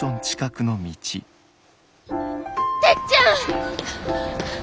てっちゃん！